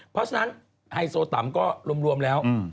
เพราะฉะนั้นไฮโซตำก็รวมแล้ว